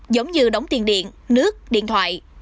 giống như đóng tiền điện nước điện thoại